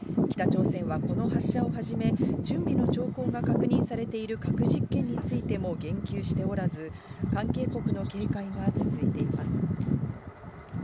北朝鮮はこの発射をはじめ、準備の兆候が確認されている核実験についても言及しておらず、関係国の警戒が続いています。